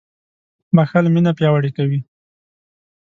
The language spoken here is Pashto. • بښل مینه پیاوړې کوي.